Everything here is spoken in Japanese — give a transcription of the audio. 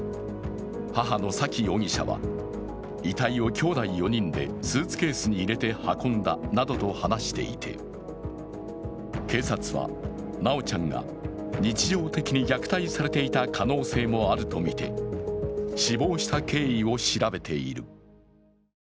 母の沙喜容疑者は遺体をきょうだい４人でスーツケースに入れて運んだなどと話していて、警察は修ちゃんが日常的に虐待されていた可能性もあると見て、死亡した経緯を調べている。